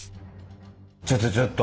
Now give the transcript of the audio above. ちょっとちょっと！